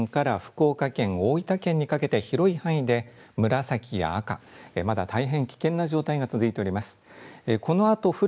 そして、そのほか佐賀県から福岡県、大分県にかけて広い範囲で紫や赤まだ大変危険な状態が続いております。